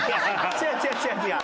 違う違う違う違う！